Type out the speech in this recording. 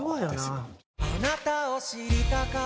「あなたを知りたかった」